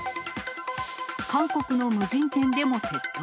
韓国の無人店でも窃盗。